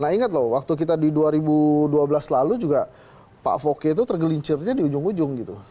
nah ingat loh waktu kita di dua ribu dua belas lalu juga pak fokke itu tergelincirnya di ujung ujung gitu